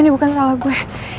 ini bukan salah gue